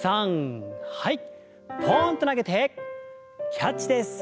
ポンと投げてキャッチです。